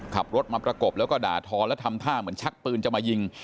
ขับรถมาประกบแล้วก็ด่าทอแล้วทำท่าเหมือนชักปืนจะมายิง